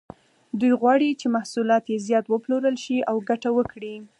دوی غواړي چې محصولات یې زیات وپلورل شي او ګټه وکړي.